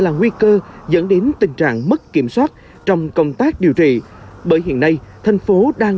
là nguy cơ dẫn đến tình trạng mất kiểm soát trong công tác điều trị bởi hiện nay thành phố đang